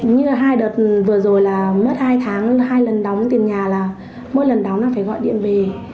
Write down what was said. như hai đợt vừa rồi là mất hai tháng hai lần đóng tiền nhà là mỗi lần đóng là phải gọi điện về